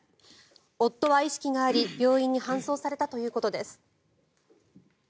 夫は意識があり病院に搬送されたということです。